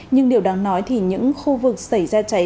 nhưng điều đáng nói thì những khu vực xảy ra cháy